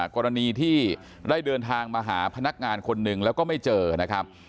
กรณีที่ได้เดินทางมาหาพนักงานคนหนึ่งแล้วก็ไม่เจอนะครับ